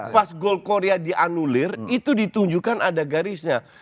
pas gol korea dianulir itu ditunjukkan ada garisnya